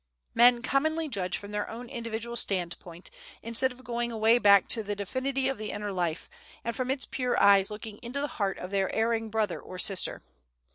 Men commonly judge from their own individual stand point, instead of going away back to the Divinity of the inner life, and from its pure eyes looking into the heart of their erring brother or sister.